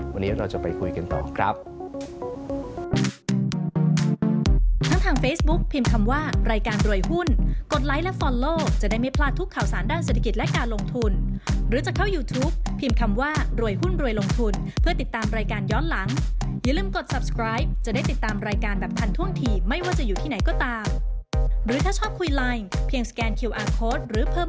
วันนี้เราจะไปคุยกันต่อครับ